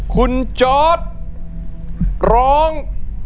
คุณจอร์ดร้อง